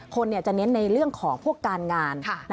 คนจะเน้นในเรื่องของพวกการงาน